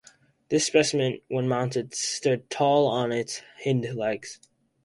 This specimen, when mounted, stood tall on its hindlegs.